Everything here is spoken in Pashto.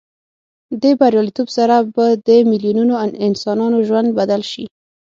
دې بریالیتوب سره به د میلیونونو انسانانو ژوند بدل شي.